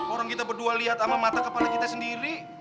orang kita berdua lihat sama mata kepala kita sendiri